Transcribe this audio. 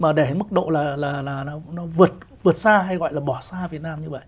mà để mức độ là nó vượt xa hay gọi là bỏ xa việt nam như vậy